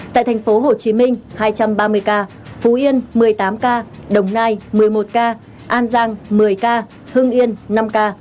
tại thành phố hồ chí minh hai trăm ba mươi ca phú yên một mươi tám ca đồng nai một mươi một ca an giang một mươi ca hưng yên năm ca